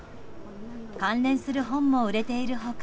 関連する本も売れている他